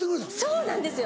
そうなんですよ！